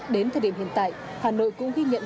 đến thời điểm hiện tại hà nội cũng ghi nhận